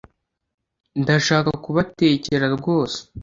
Ndashaka kubatekera rwose